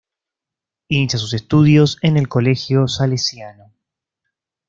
Inicia sus estudios en el Colegio Salesiano.